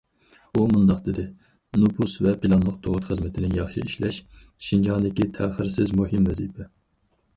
ئۇ مۇنداق دېدى: نوپۇس ۋە پىلانلىق تۇغۇت خىزمىتىنى ياخشى ئىشلەش شىنجاڭدىكى تەخىرسىز مۇھىم ۋەزىپە.